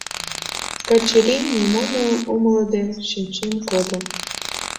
Качырий, нимом умылыде шинчен кодо.